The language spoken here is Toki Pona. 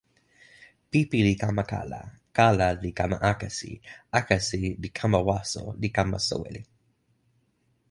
pipi li kama kala. kala li kama akesi. akesi li kama waso li kama soweli.